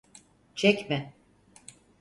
Çek mi?